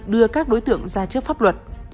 đưa các đối tượng ra trước pháp luật